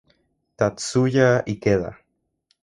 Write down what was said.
Tatsuya Ikeda